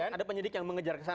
ada penyidik yang mengejar ke sana